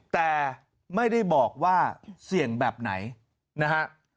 แต่ไม่ได้บอกว่าเสี่ยงแบบไหนนะฮะ